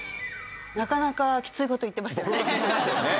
なかなかきつい事言ってましたよね。